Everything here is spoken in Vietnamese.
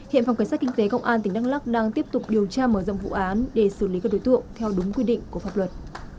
hiện phòng cảnh sát kinh tế công an tỉnh đắk lắc đang tiếp tục điều tra mở rộng vụ án để xử lý các đối tượng theo đúng quy định của pháp luật